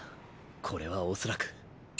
これはおそらく。